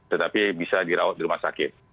tetapi bisa dirawat di rumah sakit